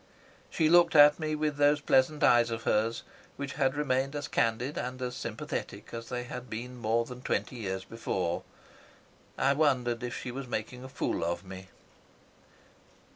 She looked at me with those pleasant eyes of hers, which had remained as candid and as sympathetic as they had been more than twenty years before. I wondered if she was making a fool of me.